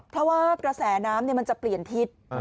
เพราะว่ากระแสน้ำมันจะเปลี่ยนทิศ